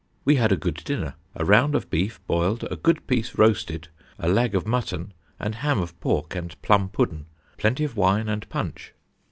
We had a good dinner; a round of Beef Boiled, a good piece roasted, a Lag of Mutton and Ham of Pork and plum pudden, plenty of wine and punch.